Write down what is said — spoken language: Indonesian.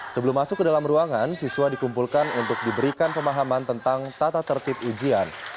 sebelum masuk ke dalam ruangan siswa dikumpulkan untuk diberikan pemahaman tentang tata tertib ujian